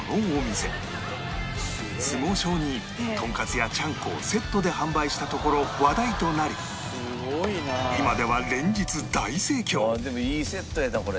相撲ショーにとんかつやちゃんこをセットで販売したところ話題となり今では連日大盛況でもいいセットやなこれ。